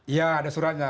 iya ada suratnya